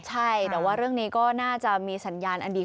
ใช่แต่ว่าเรื่องนี้ก็น่าจะมีสัญญาณอันดี